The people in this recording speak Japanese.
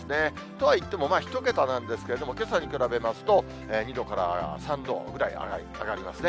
とはいっても１桁なんですけれども、けさに比べますと、２度から３度ぐらい上がりますね。